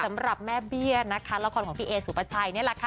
สำหรับแม่เบี้ยนะคะละครของพี่เอสุปชัยนี่แหละค่ะ